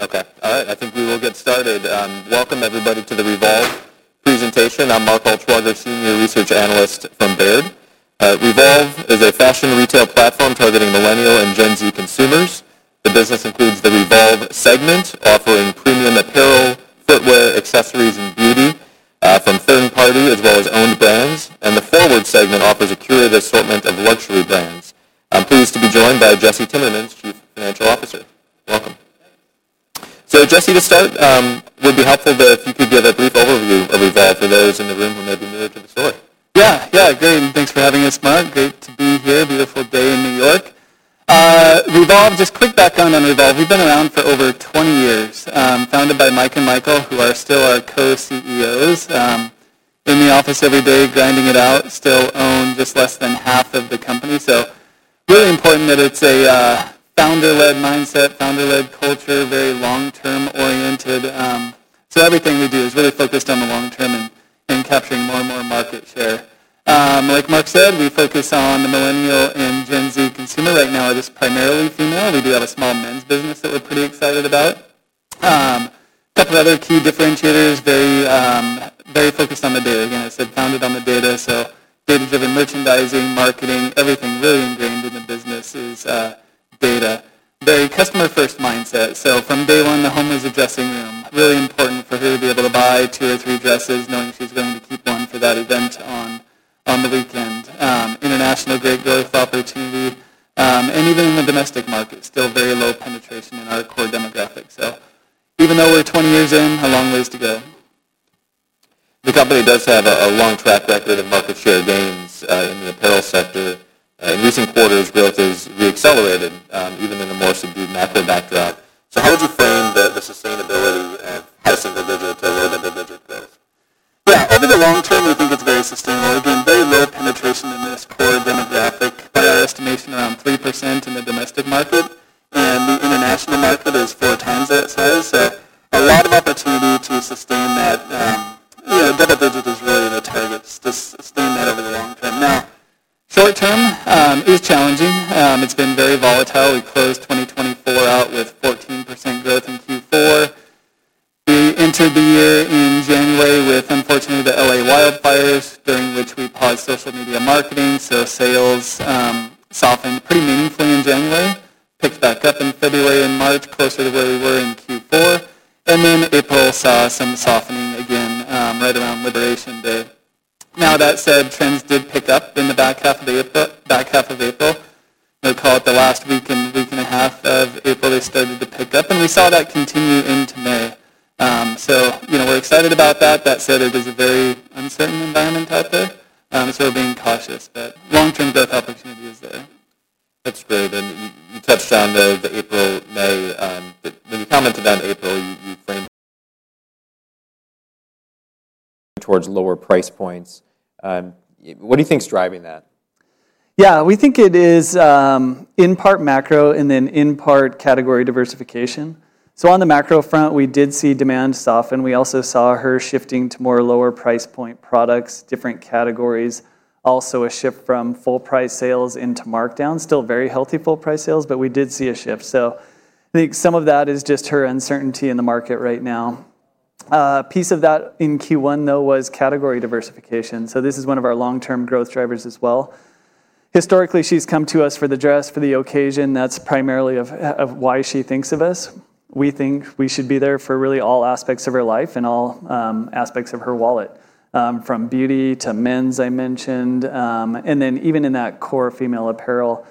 Okay. All right. I think we will get started. Welcome, everybody, to the Revolve presentation. I'm Mark Altschwager, Senior Research Analyst from Baird. Revolve is a fashion retail platform targeting millennial and Gen Z consumers. The business includes the Revolve segment, offering premium apparel, footwear, accessories, and beauty from third-party as well as owned brands. The Forward segment offers a curated assortment of luxury brands. I'm pleased to be joined by Jesse Timmermans, Chief Financial Officer. Welcome. Jesse, to start, it would be helpful if you could give a brief overview of Revolve for those in the room who may be newer to the story. Yeah. Yeah. Great. Thanks for having us, Mark. Great to be here. Beautiful day in New York. Revolve, just quick background on Revolve. We've been around for over 20 years, founded by Mike and Michael, who are still our co-CEOs. In the office every day, grinding it out, still own just less than half of the company. Really important that it's a founder-led mindset, founder-led culture, very long-term oriented. Everything we do is really focused on the long term and capturing more and more market share. Like Mark said, we focus on the millennial and Gen Z consumer. Right now, we're just primarily female. We do have a small men's business that we're pretty excited about. A couple of other key differentiators, very focused on the data. Again, I said founded on the data. Data-driven merchandising, marketing, everything really ingrained in the business is data. Very customer-first mindset. From day one, the home is a dressing room. Really important for her to be able to buy two or three dresses, knowing she's going to keep one for that event on the weekend. International great growth opportunity. Even in the domestic market, still very low penetration in our core demographic. Even though we're 20 years in, a long ways to go. The company does have a long track record of market share gains in the apparel sector. In recent quarters, growth has re-accelerated, even in a more subdued macro backdrop. How would you frame the sustainability of passing the digit to low to the digit growth? Yeah. Over the long term, we think it's very sustainable. Again, very low penetration in this core demographic. By our estimation, around 3% in the domestic market. And the international market is four times that size. A lot of opportunity to sustain that. Double digit is really the target, to sustain that over the long term. Now, short term is challenging. It's been very volatile. We closed 2024 out with 14% growth in Q4. We entered the year in January with, unfortunately, the Los Angeles wildfires, during which we paused social media marketing. Sales softened pretty meaningfully in January, picked back up in February and March, closer to where we were in Q4. April saw some softening again, right around Liberation Day. That said, trends did pick up in the back half of April. They call it the last week and a half of April. They started to pick up. We saw that continue into May. We're excited about that. That said, it is a very uncertain environment out there. We're being cautious. Long-term growth opportunity is there. That's great. You touched on the April, May. When you commented on April, you framed it towards lower price points. What do you think's driving that? Yeah. We think it is in part macro and then in part category diversification. On the macro front, we did see demand soften. We also saw her shifting to more lower price point products, different categories. Also a shift from full price sales into markdown. Still very healthy full price sales, but we did see a shift. I think some of that is just her uncertainty in the market right now. A piece of that in Q1, though, was category diversification. This is one of our long-term growth drivers as well. Historically, she's come to us for the dress, for the occasion. That's primarily why she thinks of us. We think we should be there for really all aspects of her life and all aspects of her wallet, from beauty to men's, I mentioned. Even in that core female apparel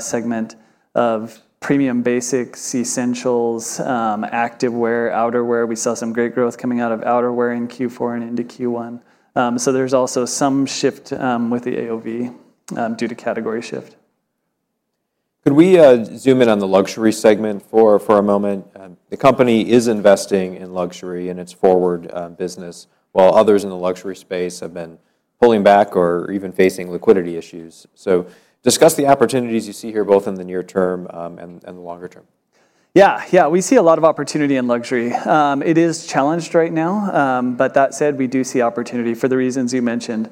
segment of premium basics, essentials, active wear, outerwear, we saw some great growth coming out of outerwear in Q4 and into Q1. There is also some shift with the AOV due to category shift. Could we zoom in on the luxury segment for a moment? The company is investing in luxury in its Forward business, while others in the luxury space have been pulling back or even facing liquidity issues. Discuss the opportunities you see here, both in the near term and the longer term. Yeah. Yeah. We see a lot of opportunity in luxury. It is challenged right now. That said, we do see opportunity for the reasons you mentioned.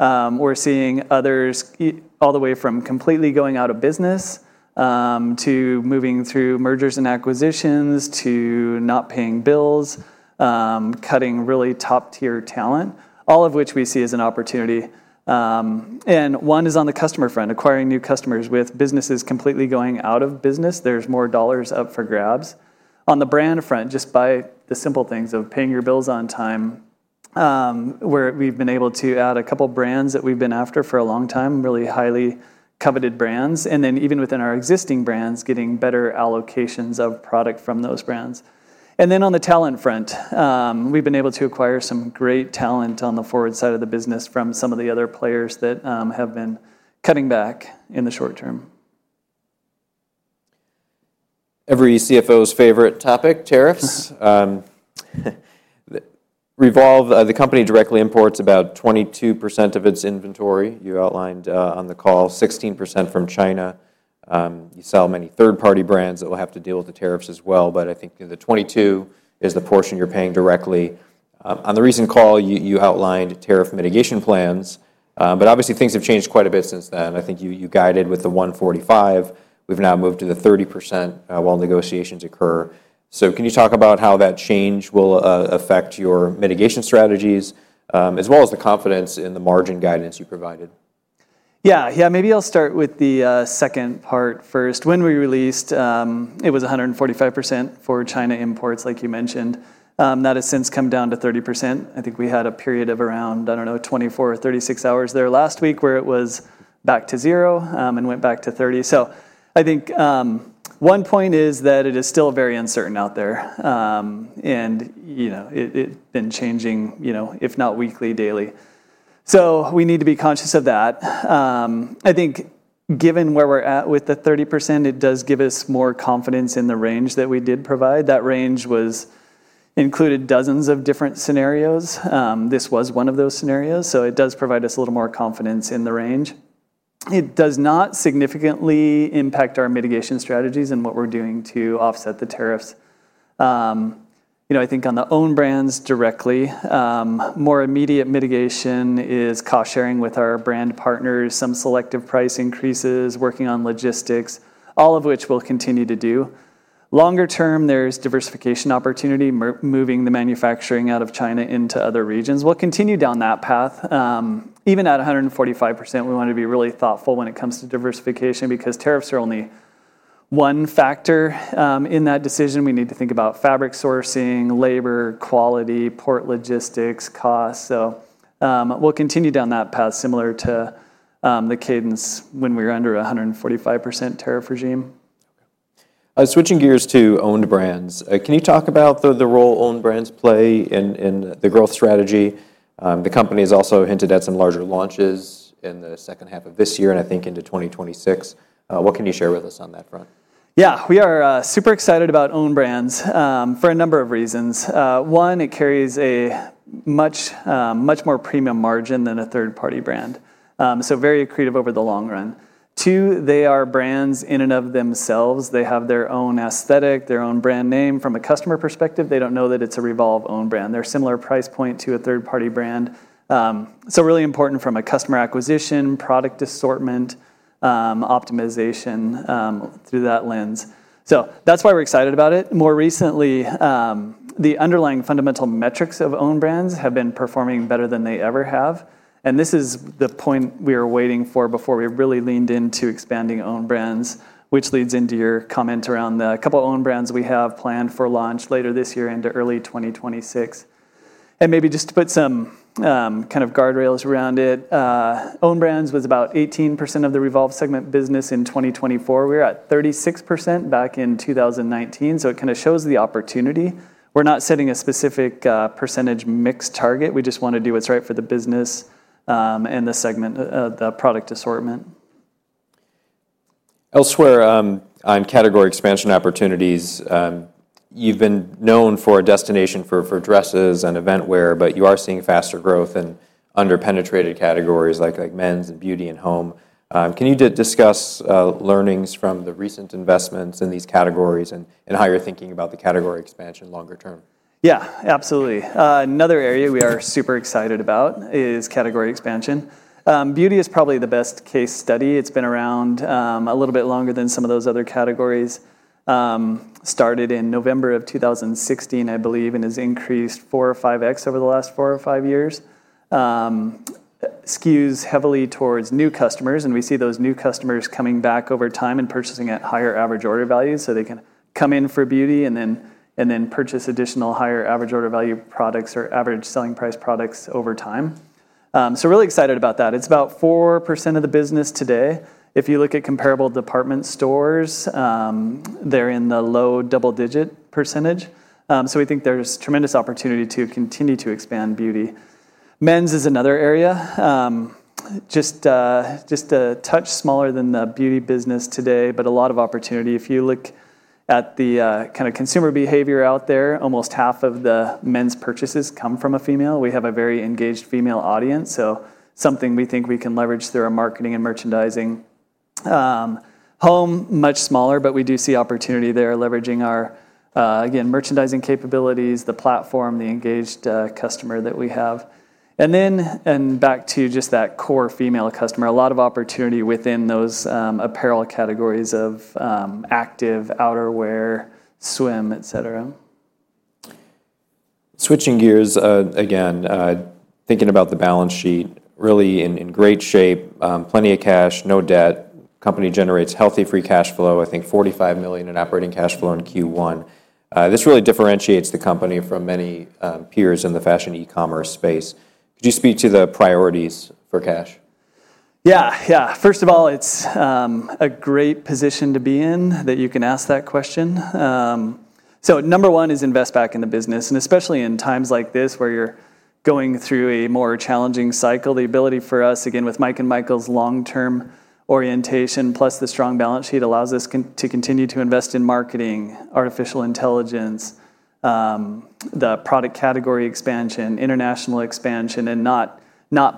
We're seeing others all the way from completely going out of business to moving through mergers and acquisitions to not paying bills, cutting really top-tier talent, all of which we see as an opportunity. One is on the customer front, acquiring new customers with businesses completely going out of business. There's more dollars up for grabs. On the brand front, just by the simple things of paying your bills on time, where we've been able to add a couple of brands that we've been after for a long time, really highly coveted brands. Then even within our existing brands, getting better allocations of product from those brands. On the talent front, we've been able to acquire some great talent on the Forward side of the business from some of the other players that have been cutting back in the short term. Every CFO's favorite topic, tariffs. Revolve, the company directly imports about 22% of its inventory, you outlined on the call, 16% from China. You sell many third-party brands that will have to deal with the tariffs as well. I think the 22 is the portion you're paying directly. On the recent call, you outlined tariff mitigation plans. Obviously, things have changed quite a bit since then. I think you guided with the 145. We've now moved to the 30% while negotiations occur. Can you talk about how that change will affect your mitigation strategies, as well as the confidence in the margin guidance you provided? Yeah. Yeah. Maybe I'll start with the second part first. When we released, it was 145% for China imports, like you mentioned. That has since come down to 30%. I think we had a period of around, I don't know, 24 or 36 hours there last week where it was back to zero and went back to 30%. I think one point is that it is still very uncertain out there. It's been changing, if not weekly, daily. We need to be conscious of that. I think given where we're at with the 30%, it does give us more confidence in the range that we did provide. That range included dozens of different scenarios. This was one of those scenarios. It does provide us a little more confidence in the range. It does not significantly impact our mitigation strategies and what we're doing to offset the tariffs. I think on the own brands directly, more immediate mitigation is cost-sharing with our brand partners, some selective price increases, working on logistics, all of which we'll continue to do. Longer term, there's diversification opportunity, moving the manufacturing out of China into other regions. We'll continue down that path. Even at 145%, we want to be really thoughtful when it comes to diversification because tariffs are only one factor in that decision. We need to think about fabric sourcing, labor, quality, port logistics, costs. We'll continue down that path, similar to the cadence when we were under a 145% tariff regime. Switching gears to owned brands, can you talk about the role owned brands play in the growth strategy? The company has also hinted at some larger launches in the second half of this year and I think into 2026. What can you share with us on that front? Yeah. We are super excited about owned brands for a number of reasons. One, it carries a much more premium margin than a third-party brand. Very accretive over the long run. Two, they are brands in and of themselves. They have their own aesthetic, their own brand name. From a customer perspective, they do not know that it is a Revolve owned brand. They are a similar price point to a third-party brand. Really important from a customer acquisition, product assortment, optimization through that lens. That is why we are excited about it. More recently, the underlying fundamental metrics of owned brands have been performing better than they ever have. This is the point we are waiting for before we have really leaned into expanding owned brands, which leads into your comment around the couple of owned brands we have planned for launch later this year into early 2026. Maybe just to put some kind of guardrails around it, owned brands was about 18% of the Revolve segment business in 2024. We were at 36% back in 2019. It kind of shows the opportunity. We're not setting a specific percentage mix target. We just want to do what's right for the business and the product assortment. Elsewhere, on category expansion opportunities, you've been known for a destination for dresses and event wear, but you are seeing faster growth in under-penetrated categories like men's and beauty and home. Can you discuss learnings from the recent investments in these categories and how you're thinking about the category expansion longer term? Yeah. Absolutely. Another area we are super excited about is category expansion. Beauty is probably the best case study. It's been around a little bit longer than some of those other categories. Started in November of 2016, I believe, and has increased 4x or 5x over the last four or five years. Skews heavily towards new customers. We see those new customers coming back over time and purchasing at higher average order values. They can come in for beauty and then purchase additional higher average order value products or average selling price products over time. Really excited about that. It's about 4% of the business today. If you look at comparable department stores, they're in the low double-digit percentage. We think there's tremendous opportunity to continue to expand beauty. Men's is another area, just a touch smaller than the beauty business today, but a lot of opportunity. If you look at the kind of consumer behavior out there, almost half of the men's purchases come from a female. We have a very engaged female audience. Something we think we can leverage through our marketing and merchandising. Home, much smaller, but we do see opportunity there leveraging our, again, merchandising capabilities, the platform, the engaged customer that we have. Back to just that core female customer, a lot of opportunity within those apparel categories of active, outerwear, swim, et cetera. Switching gears again, thinking about the balance sheet, really in great shape, plenty of cash, no debt. Company generates healthy free cash flow, I think $45 million in operating cash flow in Q1. This really differentiates the company from many peers in the fashion e-commerce space. Could you speak to the priorities for cash? Yeah. Yeah. First of all, it's a great position to be in that you can ask that question. Number one is invest back in the business. Especially in times like this where you're going through a more challenging cycle, the ability for us, again, with Mike and Michael's long-term orientation, plus the strong balance sheet, allows us to continue to invest in marketing, artificial intelligence, the product category expansion, international expansion, and not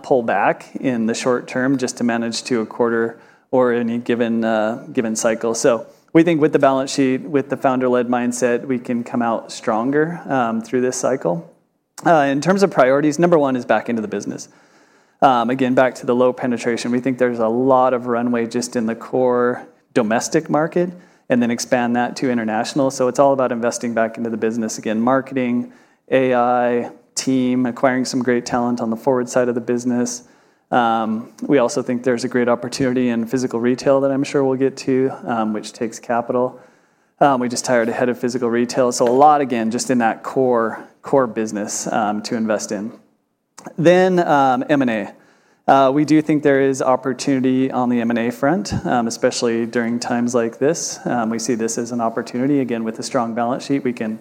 pull back in the short term just to manage to a quarter or any given cycle. We think with the balance sheet, with the founder-led mindset, we can come out stronger through this cycle. In terms of priorities, number one is back into the business. Again, back to the low penetration. We think there's a lot of runway just in the core domestic market and then expand that to international. It's all about investing back into the business. Again, marketing, AI team, acquiring some great talent on the Forward side of the business. We also think there's a great opportunity in physical retail that I'm sure we'll get to, which takes capital. We just hired a head of physical retail. A lot, again, just in that core business to invest in. M&A. We do think there is opportunity on the M&A front, especially during times like this. We see this as an opportunity. Again, with a strong balance sheet, we can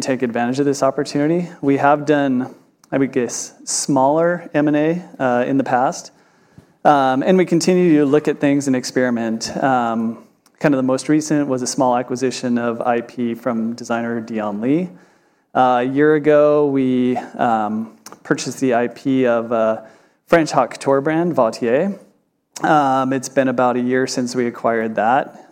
take advantage of this opportunity. We have done, I would guess, smaller M&A in the past. We continue to look at things and experiment. Kind of the most recent was a small acquisition of IP from designer Dion Lee. A year ago, we purchased the IP of a French haute couture brand, Vauthier. It's been about a year since we acquired that.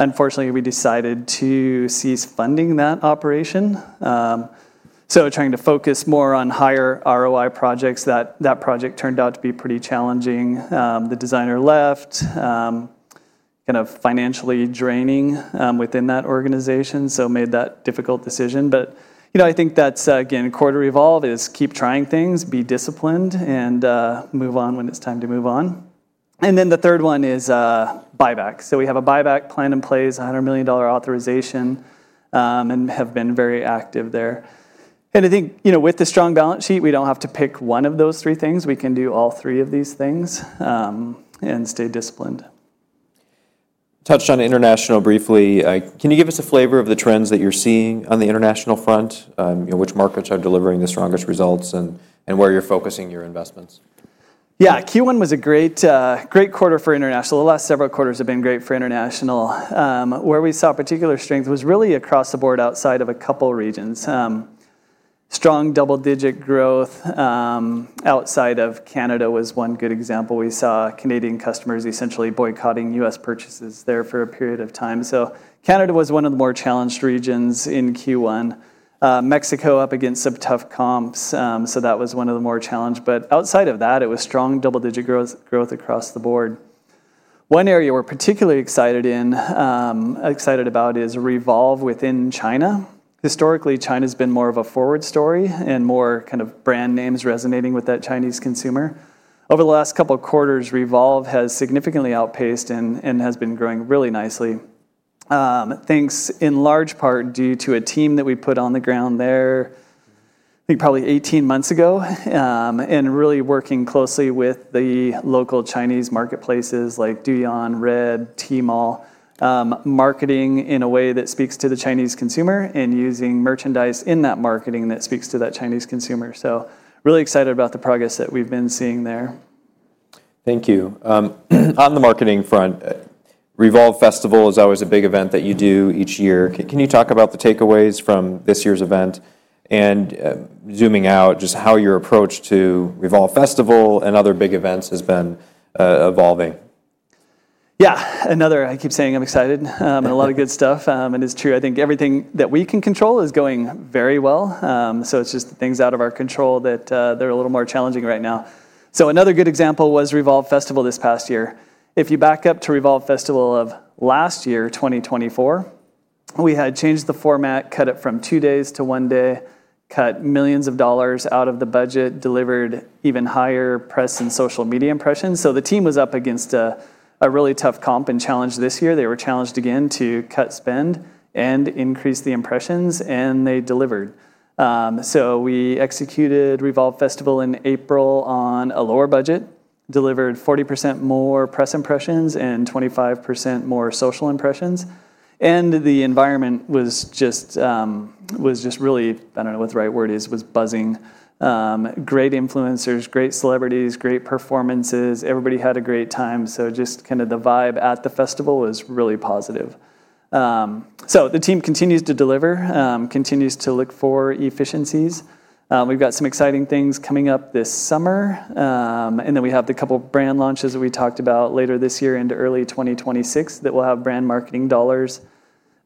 Unfortunately, we decided to cease funding that operation. Trying to focus more on higher ROI projects, that project turned out to be pretty challenging. The designer left, kind of financially draining within that organization. Made that difficult decision. I think that's, again, core to Revolve is keep trying things, be disciplined, and move on when it's time to move on. The third one is buyback. We have a buyback plan in place, $100 million authorization, and have been very active there. I think with the strong balance sheet, we do not have to pick one of those three things. We can do all three of these things and stay disciplined. Touched on international briefly. Can you give us a flavor of the trends that you're seeing on the international front, which markets are delivering the strongest results and where you're focusing your investments? Yeah. Q1 was a great quarter for international. The last several quarters have been great for international. Where we saw particular strength was really across the board outside of a couple of regions. Strong double-digit growth outside of Canada was one good example. We saw Canadian customers essentially boycotting U.S. purchases there for a period of time. Canada was one of the more challenged regions in Q1. Mexico up against some tough comps. That was one of the more challenged. Outside of that, it was strong double-digit growth across the board. One area we're particularly excited about is Revolve within China. Historically, China has been more of a Forward story and more kind of brand names resonating with that Chinese consumer. Over the last couple of quarters, Revolve has significantly outpaced and has been growing really nicely, thanks in large part due to a team that we put on the ground there, I think probably 18 months ago, and really working closely with the local Chinese marketplaces like Douyin, Xiaohongshu, Tmall, marketing in a way that speaks to the Chinese consumer and using merchandise in that marketing that speaks to that Chinese consumer. Really excited about the progress that we've been seeing there. Thank you. On the marketing front, Revolve Festival is always a big event that you do each year. Can you talk about the takeaways from this year's event and zooming out just how your approach to Revolve Festival and other big events has been evolving? Yeah. Another, I keep saying I'm excited and a lot of good stuff. And it's true. I think everything that we can control is going very well. It's just things out of our control that are a little more challenging right now. Another good example was Revolve Festival this past year. If you back up to Revolve Festival of last year, 2024, we had changed the format, cut it from two days to one day, cut millions of dollars out of the budget, delivered even higher press and social media impressions. The team was up against a really tough comp and challenge this year. They were challenged again to cut spend and increase the impressions, and they delivered. We executed Revolve Festival in April on a lower budget, delivered 40% more press impressions and 25% more social impressions. The environment was just really, I do not know what the right word is, was buzzing. Great influencers, great celebrities, great performances. Everybody had a great time. Just kind of the vibe at the festival was really positive. The team continues to deliver, continues to look for efficiencies. We have some exciting things coming up this summer. We have the couple of brand launches that we talked about later this year into early 2026 that will have brand marketing dollars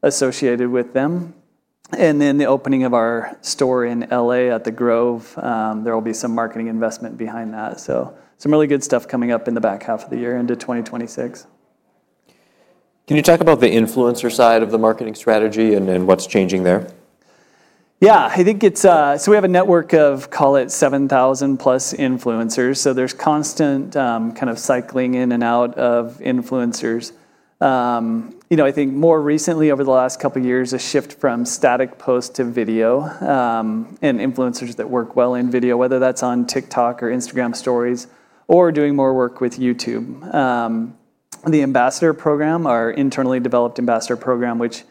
associated with them. The opening of our store in L. A. at the Grove will have some marketing investment behind that. Some really good stuff is coming up in the back half of the year into 2026. Can you talk about the influencer side of the marketing strategy and what's changing there? Yeah. I think it's, so we have a network of, call it 7,000+ influencers. There's constant kind of cycling in and out of influencers. I think more recently, over the last couple of years, a shift from static post to video and influencers that work well in video, whether that's on TikTok or Instagram Stories or doing more work with YouTube. The Ambassador Program, our internally developed Ambassador Program, which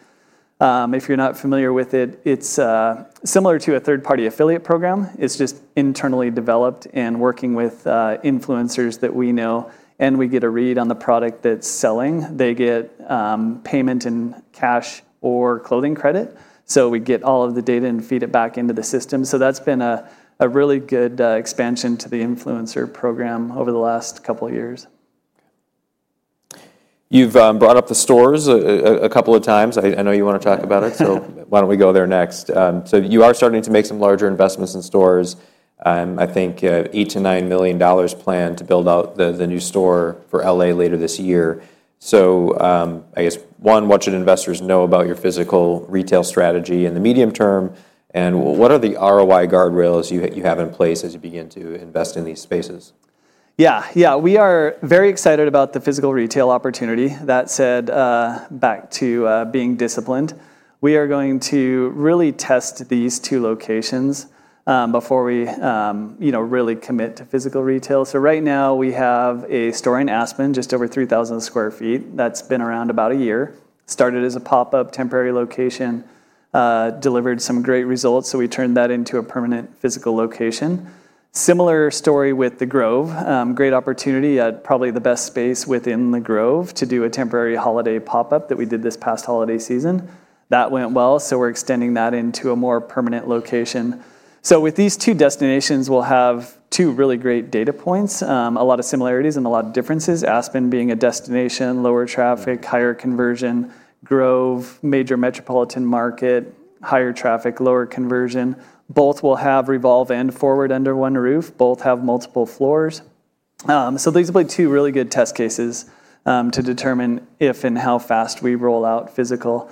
if you're not familiar with it, it's similar to a third-party affiliate program. It's just internally developed and working with influencers that we know. We get a read on the product that's selling. They get payment in cash or clothing credit. We get all of the data and feed it back into the system. That's been a really good expansion to the influencer program over the last couple of years. You've brought up the stores a couple of times. I know you want to talk about it, so why don't we go there next? You are starting to make some larger investments in stores. I think $8 million-$9 million planned to build out the new store for LA later this year. I guess, one, what should investors know about your physical retail strategy in the medium term? What are the ROI guardrails you have in place as you begin to invest in these spaces? Yeah. Yeah. We are very excited about the physical retail opportunity. That said, back to being disciplined, we are going to really test these two locations before we really commit to physical retail. Right now, we have a store in Aspen, just over 3,000 sq ft. That's been around about a year. Started as a pop-up temporary location, delivered some great results. We turned that into a permanent physical location. Similar story with the Grove. Great opportunity at probably the best space within the Grove to do a temporary holiday pop-up that we did this past holiday season. That went well. We are extending that into a more permanent location. With these two destinations, we'll have two really great data points, a lot of similarities and a lot of differences. Aspen being a destination, lower traffic, higher conversion. Grove, major metropolitan market, higher traffic, lower conversion. Both will have Revolve and Forward under one roof. Both have multiple floors. These are two really good test cases to determine if and how fast we roll out physical.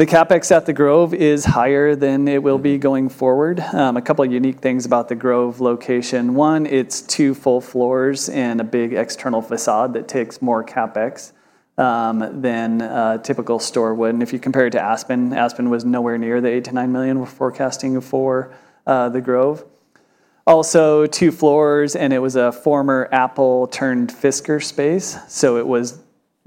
The CapEx at the Grove is higher than it will be going forward. A couple of unique things about the Grove location. One, it's two full floors and a big external facade that takes more CapEx than a typical store would. If you compare it to Aspen, Aspen was nowhere near the $8 million-$9 million we're forecasting for the Grove. Also, two floors, and it was a former Apple-turned-Fisker space. It was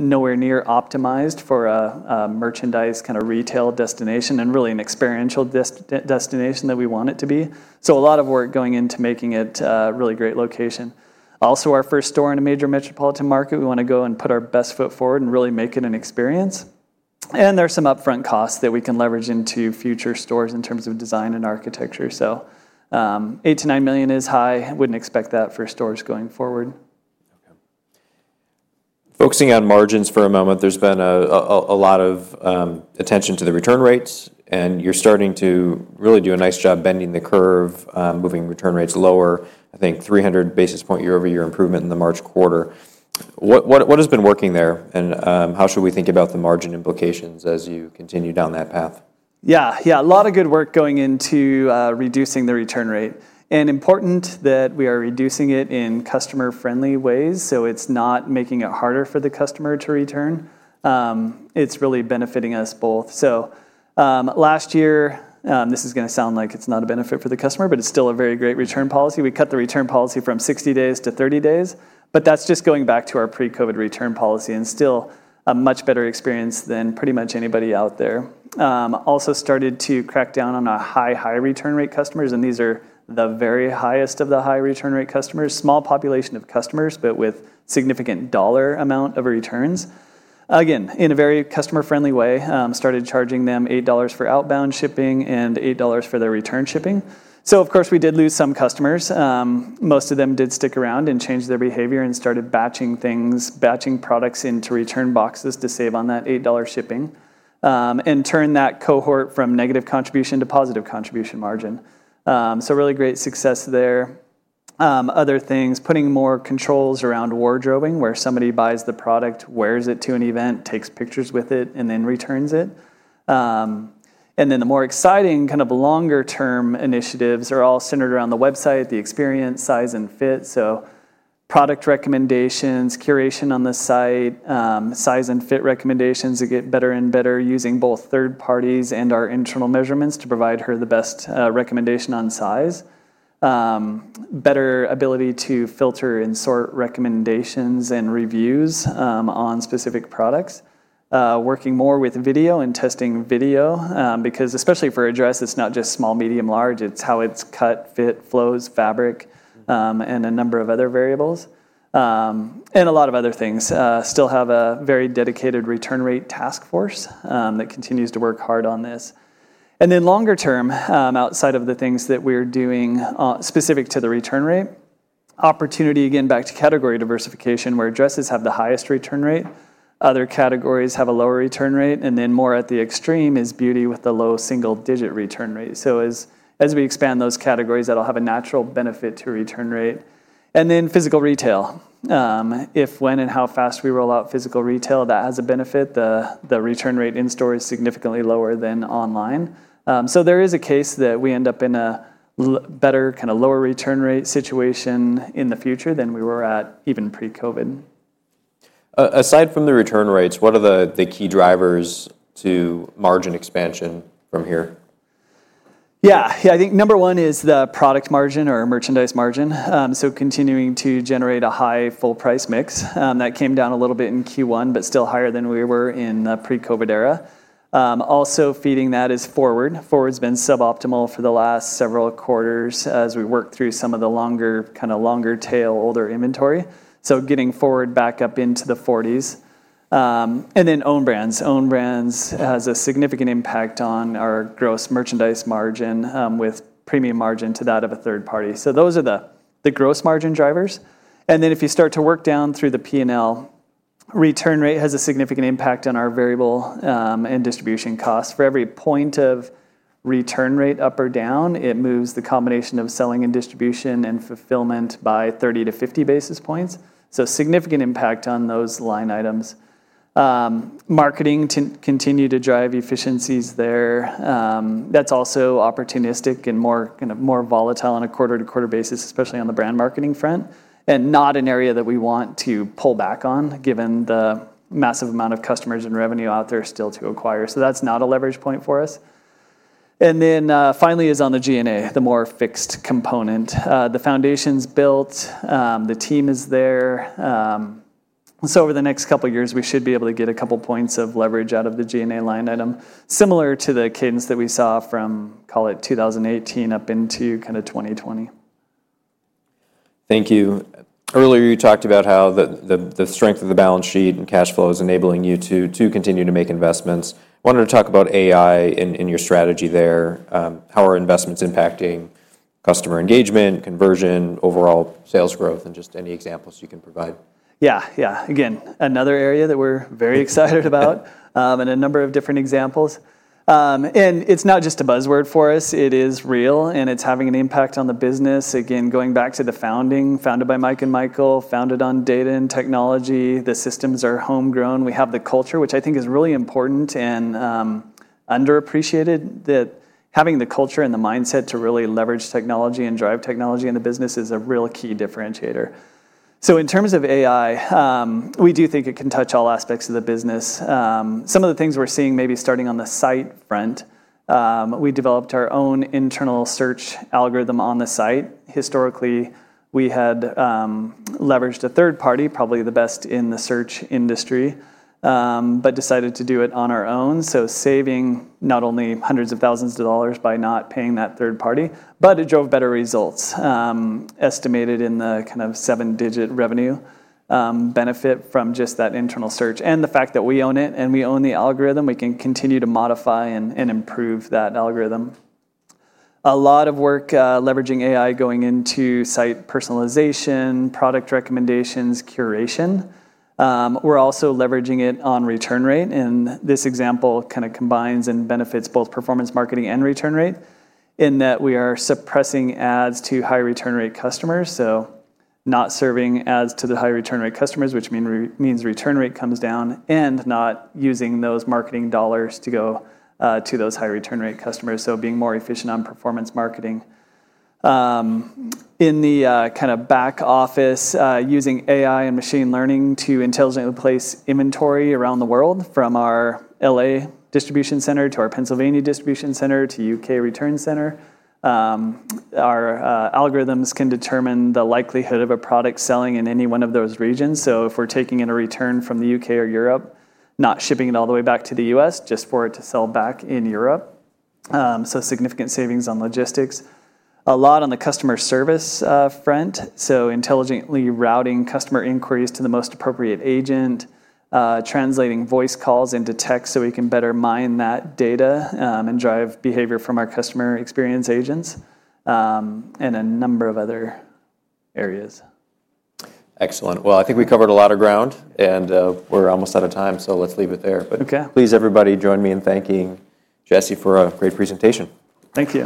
nowhere near optimized for a merchandise kind of retail destination and really an experiential destination that we want it to be. A lot of work going into making it a really great location. Also, our first store in a major metropolitan market. We want to go and put our best foot forward and really make it an experience. There are some upfront costs that we can leverage into future stores in terms of design and architecture. $8 million-$9 million is high. Would not expect that for stores going forward. Focusing on margins for a moment, there's been a lot of attention to the return rates, and you're starting to really do a nice job bending the curve, moving return rates lower. I think 300 basis point year-over-year improvement in the March quarter. What has been working there, and how should we think about the margin implications as you continue down that path? Yeah. Yeah. A lot of good work going into reducing the return rate. And important that we are reducing it in customer-friendly ways. So it's not making it harder for the customer to return. It's really benefiting us both. Last year, this is going to sound like it's not a benefit for the customer, but it's still a very great return policy. We cut the return policy from 60 days to 30 days. That's just going back to our pre-COVID return policy and still a much better experience than pretty much anybody out there. Also started to crack down on our high, high return rate customers, and these are the very highest of the high return rate customers. Small population of customers, but with significant dollar amount of returns. Again, in a very customer-friendly way, started charging them $8 for outbound shipping and $8 for their return shipping. Of course, we did lose some customers. Most of them did stick around and change their behavior and started batching things, batching products into return boxes to save on that $8 shipping and turn that cohort from negative contribution to positive contribution margin. Really great success there. Other things, putting more controls around wardrobing where somebody buys the product, wears it to an event, takes pictures with it, and then returns it. The more exciting kind of longer-term initiatives are all centered around the website, the experience, size, and fit. Product recommendations, curation on the site, size and fit recommendations to get better and better using both third parties and our internal measurements to provide her the best recommendation on size. Better ability to filter and sort recommendations and reviews on specific products. Working more with video and testing video because especially for a dress, it's not just small, medium, large. It's how it's cut, fit, flows, fabric, and a number of other variables. And a lot of other things. Still have a very dedicated return rate task force that continues to work hard on this. Then longer-term, outside of the things that we're doing specific to the return rate, opportunity again back to category diversification where dresses have the highest return rate. Other categories have a lower return rate. More at the extreme is beauty with a low single-digit return rate. As we expand those categories, that'll have a natural benefit to return rate. Physical retail, if, when, and how fast we roll out physical retail, that has a benefit. The return rate in store is significantly lower than online. There is a case that we end up in a better kind of lower return rate situation in the future than we were at even pre-COVID. Aside from the return rates, what are the key drivers to margin expansion from here? Yeah. Yeah. I think number one is the product margin or merchandise margin. So continuing to generate a high full-price mix. That came down a little bit in Q1, but still higher than we were in the pre-COVID era. Also feeding that is Forward. Forward's been suboptimal for the last several quarters as we work through some of the longer kind of longer tail, older inventory. Getting Forward back up into the 40s. Own brands has a significant impact on our gross merchandise margin with premium margin to that of a third party. Those are the gross margin drivers. If you start to work down through the P&L, return rate has a significant impact on our variable and distribution costs. For every point of return rate up or down, it moves the combination of selling and distribution and fulfillment by 30-50 basis points. Significant impact on those line items. Marketing continue to drive efficiencies there. That's also opportunistic and more kind of more volatile on a quarter-to-quarter basis, especially on the brand marketing front. Not an area that we want to pull back on given the massive amount of customers and revenue out there still to acquire. That's not a leverage point for us. Finally is on the G&A, the more fixed component. The foundation's built. The team is there. Over the next couple of years, we should be able to get a couple of points of leverage out of the G&A line item, similar to the cadence that we saw from, call it 2018 up into kind of 2020. Thank you. Earlier, you talked about how the strength of the balance sheet and cash flow is enabling you to continue to make investments. Wanted to talk about AI in your strategy there. How are investments impacting customer engagement, conversion, overall sales growth, and just any examples you can provide? Yeah. Yeah. Again, another area that we're very excited about and a number of different examples. And it's not just a buzzword for us. It is real, and it's having an impact on the business. Again, going back to the founding, founded by Mike and Michael, founded on data and technology. The systems are homegrown. We have the culture, which I think is really important and underappreciated, that having the culture and the mindset to really leverage technology and drive technology in the business is a real key differentiator. In terms of AI, we do think it can touch all aspects of the business. Some of the things we're seeing maybe starting on the site front, we developed our own internal search algorithm on the site. Historically, we had leveraged a third party, probably the best in the search industry, but decided to do it on our own. Saving not only hundreds of thousands of dollars by not paying that third party, but it drove better results, estimated in the kind of seven-digit revenue benefit from just that internal search. The fact that we own it and we own the algorithm, we can continue to modify and improve that algorithm. A lot of work leveraging AI going into site personalization, product recommendations, curation. We're also leveraging it on return rate. This example kind of combines and benefits both performance marketing and return rate in that we are suppressing ads to high return rate customers. Not serving ads to the high return rate customers, which means return rate comes down, and not using those marketing dollars to go to those high return rate customers. Being more efficient on performance marketing. In the kind of back office, using AI and machine learning to intelligently place inventory around the world from our LA distribution center to our Pennsylvania distribution center to U.K. return center. Our algorithms can determine the likelihood of a product selling in any one of those regions. If we're taking in a return from the U.K. or Europe, not shipping it all the way back to the U.S., just for it to sell back in Europe. Significant savings on logistics. A lot on the customer service front. Intelligently routing customer inquiries to the most appropriate agent, translating voice calls into text so we can better mine that data and drive behavior from our customer experience agents and a number of other areas. Excellent. I think we covered a lot of ground, and we're almost out of time, so let's leave it there. Please, everybody join me in thanking Jesse for a great presentation. Thank you.